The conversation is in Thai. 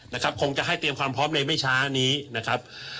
นะครับคงจะให้เตรียมความพร้อมเร็จไม่ช้านี้นะครับ